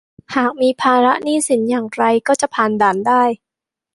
หากมีภาระหนี้สินอย่างไรก็จะผ่านด่านได้